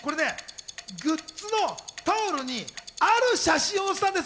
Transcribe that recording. グッズのタオルに、ある写真を載せたんです。